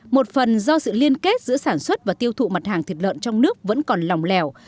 một phần do sự liên kết giữa sản xuất và tiêu thụ mặt hàng thịt lợn trong nước vẫn còn lòng lẻo